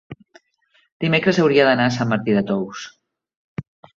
dimecres hauria d'anar a Sant Martí de Tous.